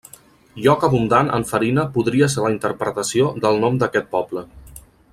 Lloc abundant en farina podria ser la interpretació del nom d'aquest poble.